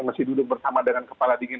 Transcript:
masih duduk bersama dengan kepala dingin